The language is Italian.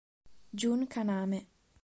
Jun Kaname